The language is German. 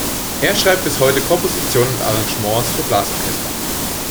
Er schreibt bis heute Kompositionen und Arrangements für Blasorchester.